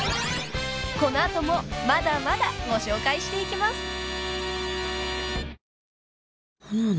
［この後もまだまだご紹介していきます］